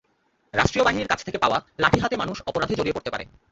রাষ্ট্রীয় বাহিনীর কাছ থেকে পাওয়া লাঠি হাতে মানুষ অপরাধে জড়িয়ে পড়তে পারে।